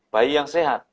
bayi yang sehat